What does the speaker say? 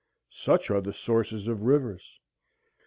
Such are the sources of rivers.